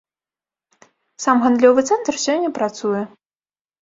Сам гандлёвы цэнтр сёння працуе.